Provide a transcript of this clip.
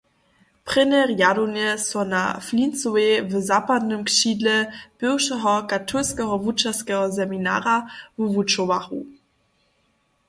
Prěnje rjadownje so na Flincowej w zapadnym křidle bywšeho Katolskeho wučerskeho seminara wuwučowachu.